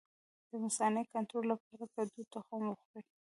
د مثانې د کنټرول لپاره د کدو تخم وخورئ